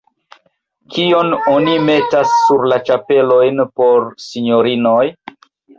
Kion oni metas sur la ĉapelojn por sinjorinoj?